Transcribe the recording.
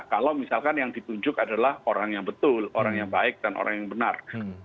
kalau misalkan yang ditunjuk adalah orang yang betul orang yang baik dan orang yang benar